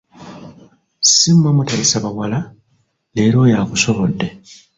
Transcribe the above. Si mmwe mutayisa bawala, leero oyo akusobodde!